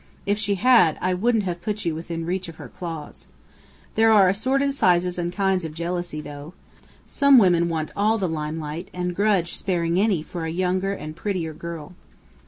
If she had, I wouldn't have put you within reach of her claws. There are assorted sizes and kinds of jealousy, though. Some women want all the lime light and grudge sparing any for a younger and prettier girl."